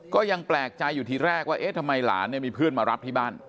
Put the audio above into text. ก็ยังแปลกใจอยู่ทีแรกว่าเอ๊ะทำไมหลานเนี่ยมีเพื่อนมารับที่บ้าน